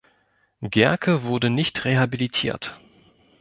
Gercke wurde nicht rehabilitiert.